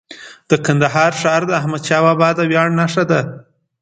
د کندهار ښار د احمدشاه بابا د ویاړ نښه ده.